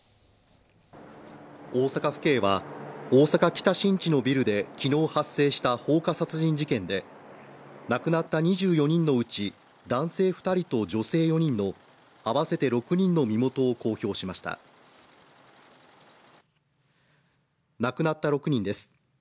大阪府警は大阪・北新地のビルで昨日発生した放火殺人事件で、亡くなった２４人のうち男性２人と女性４人の合わせて６人の身元を公表しました亡くなった６人です。